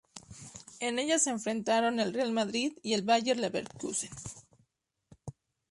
En ella se enfrentaron el Real Madrid y el Bayer Leverkusen.